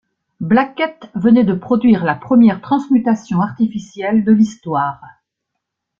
Blackett venait de produire la première transmutation artificielle de l'histoire.